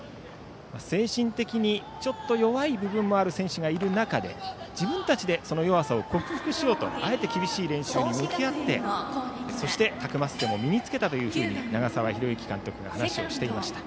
精神的にちょっと弱い部分もある選手がいる中で自分たちでその弱さを克服しようとあえて厳しい練習に向き合ってそして、たくましさも身につけたと長澤監督が話していました。